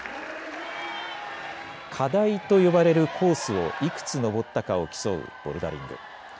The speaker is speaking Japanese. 課題と呼ばれるコースをいくつ登ったかを競うボルダリング。